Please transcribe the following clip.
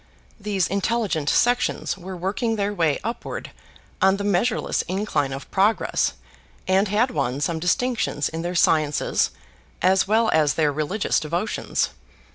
These intelligent sections were working their way upward on the measureless incline of progress and had won some distinctions in their sciences, as well as their religious devotions.